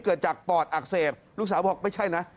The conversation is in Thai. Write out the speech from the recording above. เกิดจากปอดอักเสบลูกสาวบอกไม่ใช่นะ